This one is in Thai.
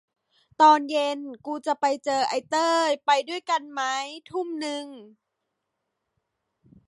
ตอนเย็นกูจะไปเจอไอ้เต้ย ไปด้วยกันไหม ทุ่มนึง